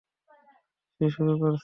সে শুরু করেছে।